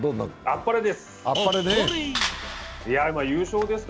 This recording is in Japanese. あっぱれです！